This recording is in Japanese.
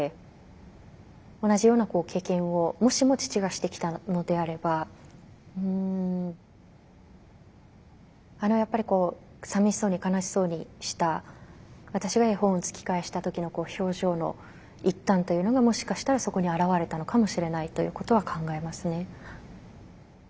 同じような経験をもしも父がしてきたのであればあのやっぱりこうさみしそうに悲しそうにした私が絵本を突き返した時の表情の一端というのがもしかしたらそこに表れたのかもしれないということは考えますね。